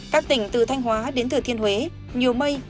các tỉnh từ thanh hóa đến thừa thiên huế nhiều mây